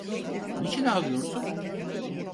Niçin ağlıyorsun?